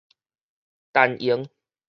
陳瑩